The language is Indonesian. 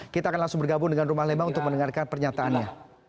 kita akan langsung bergabung dengan rumah lembang untuk mendengarkan pernyataannya